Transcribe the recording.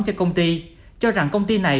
cho công ty cho rằng công ty này